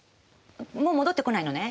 もう戻ってこないのね。